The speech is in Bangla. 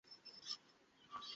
তার সময় নেই।